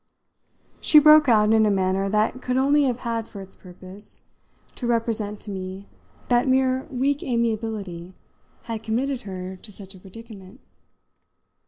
She broke out in a manner that could only have had for its purpose to represent to me that mere weak amiability had committed her to such a predicament.